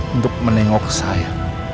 untuk menengok saya